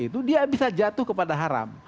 itu dia bisa jatuh kepada haram